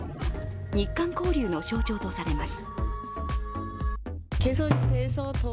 日韓交流の象徴とされます。